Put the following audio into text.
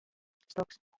Stoks.